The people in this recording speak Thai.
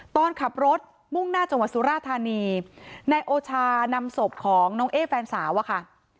ตอนขับรถมุ่งหน้าจังหวัดสุราธานีนายโอชานำศพของน้องเอ๊แฟนสาวอะค่ะ